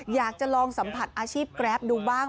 อยากจะลองสัมผัสอาชีพแกรปดูบ้าง